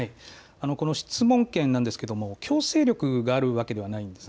この質問権ですが強制力があるわけではないんです。